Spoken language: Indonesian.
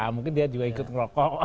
mungkin dia juga ikut merokok